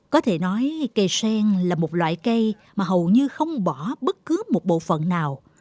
có thể nói cây sen là một loại cây mà hầu như không bỏ bất cứ một bộ phận nào